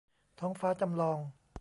ท้องฟ้าจำลอง